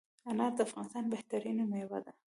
انار دافغانستان بهترینه میوه ده